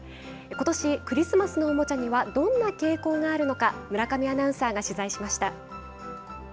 ことし、クリスマスのおもちゃにはどんな傾向があるのか、村上アナウンサーが取材しました。